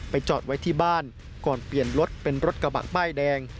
จอดไว้ที่บ้านก่อนเปลี่ยนรถเป็นรถกระบะป้ายแดง